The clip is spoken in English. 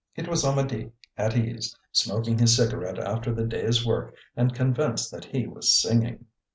It was Amedee, at ease, smoking his cigarette after the day's work and convinced that he was singing.